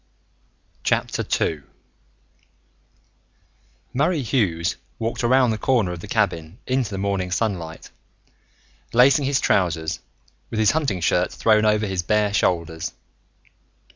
II Murray Hughes walked around the corner of the cabin into the morning sunlight, lacing his trousers, with his hunting shirt thrown over his bare shoulders.